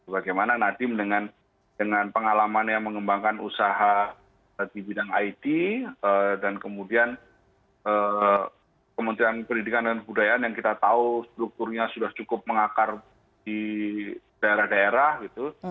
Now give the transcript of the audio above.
bagaimana nadiem dengan pengalamannya mengembangkan usaha di bidang it dan kemudian kementerian pendidikan dan kebudayaan yang kita tahu strukturnya sudah cukup mengakar di daerah daerah gitu